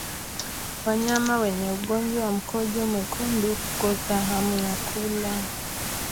Wanyama wenye ugonjwa wa mkojo mwekundu hukosa hamu ya kula